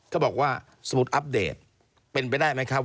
ก็บอกว่าสมมุติอัปเดตเป็นไปได้ไหมครับ